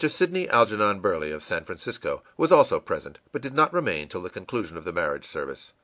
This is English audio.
Sidney Algernon Burley, of San Francisco, was also present but did not remain till the conclusion of the marriage service.